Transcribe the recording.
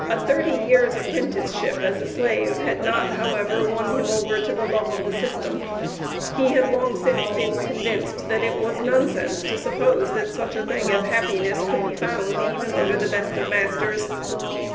A thirty years' apprenticeship as a slave had not, however, won him over to the love of the system; he had long since been convinced that it was nonsense to suppose that such a thing as happiness could be found even under the best of masters.